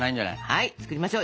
はい作りましょう。